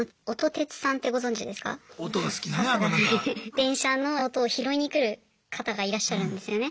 電車の音を拾いに来る方がいらっしゃるんですよね。